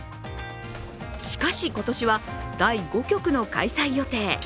しかし、今年は第５局の開催予定。